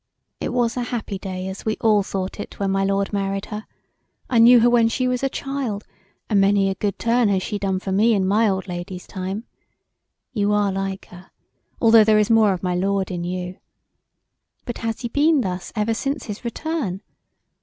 ] It was a happy day as we all thought it when my lord married her: I knew her when she was a child and many a good turn has she done for me in my old lady's time You are like her although there is more of my lord in you But has he been thus ever since his return?